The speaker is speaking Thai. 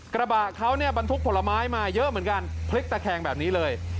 กระบะเขาเนี่ยบรรทุกผลไม้มาเยอะเหมือนกันพลิกตะแคงแบบนี้เลย